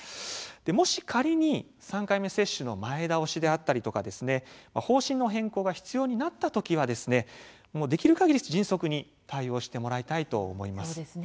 もし仮に３回目接種の前倒しであったり方針の変更が必要になったときはできるかぎり迅速に対応してもらいたいと思います。